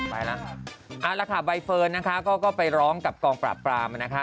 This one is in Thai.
ไปแล้วค่ะเอาละค่ะใบเฟิร์นนะคะก็ไปร้องกับกองปราบปรามนะคะ